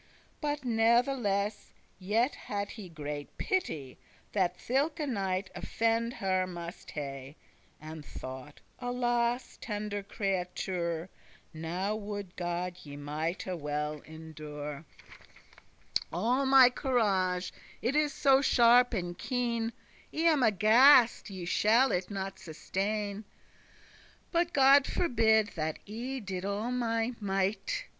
But natheless yet had he great pity That thilke night offende her must he, And thought, "Alas, O tender creature, Now woulde God ye mighte well endure All my courage, it is so sharp and keen; I am aghast* ye shall it not sustene. *afraid But God forbid that I did all my might.